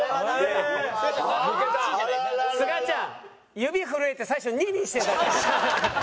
指震えて最初２にしてたけど。